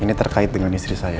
ini terkait dengan istri saya